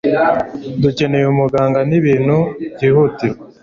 Dukeneye umuganga. Ni ibintu byihutirwa.